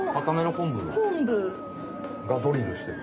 コンブ。がドリルしてる。